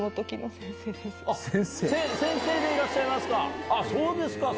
先生でいらっしゃいますか！